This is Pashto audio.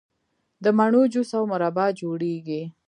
د مڼو جوس او مربا جوړیږي.